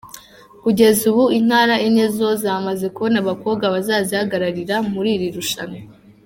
Kugeza ubu, Intara enye zo zamaze kubona abakobwa bazazihagararira muri iri rushanwa.